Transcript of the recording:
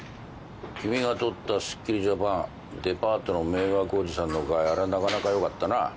君が撮った『すっきりジャパン』デパートの迷惑おじさんの回あれはなかなか良かったな。